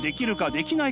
できない。